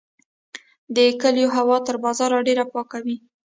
د کلیو هوا تر بازار ډیره پاکه وي.